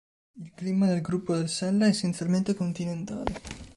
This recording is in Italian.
Il clima del Gruppo del Sella è essenzialmente continentale.